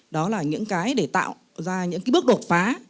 đó là những cái để tạo ra những cái bước đột phá